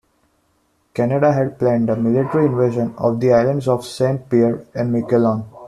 Canada had planned a military invasion of the islands of Saint-Pierre and Miquelon.